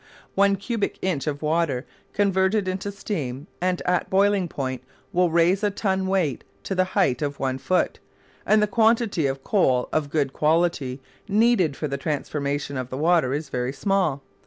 One cubic inch of water converted into steam and at boiling point will raise a ton weight to the height of one foot; and the quantity of coal of good quality needed for the transformation of the water is very small.